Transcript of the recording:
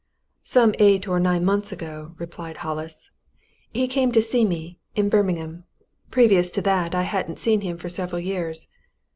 "Some eight or nine months ago," replied Hollis. "He came to see me, in Birmingham. Previous to that, I hadn't seen him for several years.